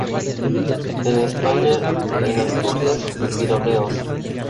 En España en Asturias y Pirineos.